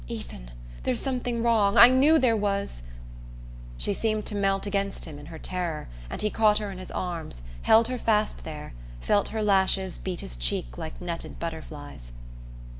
"Ethan, there's something wrong! I knew there was!" She seemed to melt against him in her terror, and he caught her in his arms, held her fast there, felt her lashes beat his cheek like netted butterflies.